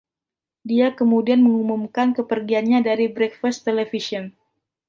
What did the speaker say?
Dia kemudian mengumumkan kepergiannya dari "Breakfast Television".